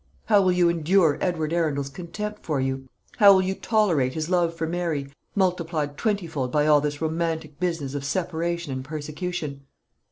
How will you endure Edward Arundel's contempt for you? How will you tolerate his love for Mary, multiplied twentyfold by all this romantic business of separation and persecution?